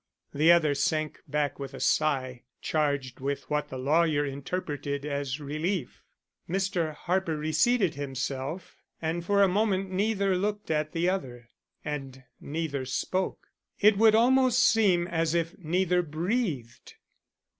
The other sank back with a sigh charged with what the lawyer interpreted as relief. Mr. Harper reseated himself, and for a moment neither looked at the other, and neither spoke; it would almost seem as if neither breathed.